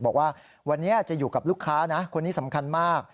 บอกว่าวันนี้จะอยู่กับลูกค้านะคนนี้สำคัญมาก